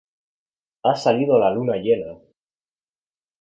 Ha salido la luna llena.